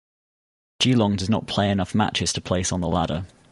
Geelong did not play enough matches to place on the ladder.